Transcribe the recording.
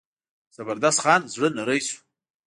زبردست خان زړه نری شو.